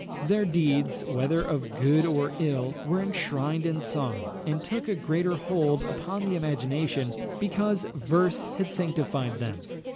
Their deeds, whether of good or ill, were enshrined in song, and took a greater hold upon the imagination because "verse had sanctified them."